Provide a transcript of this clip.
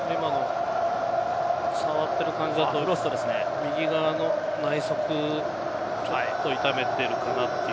今の触っている感じだと、右側の内側、ちょっと痛めているかなという。